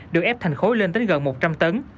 được ép thành khối lên tới gần một trăm linh tấn